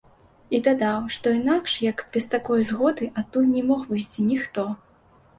І дадаў, што інакш як без такой згоды адтуль не мог выйсці ніхто.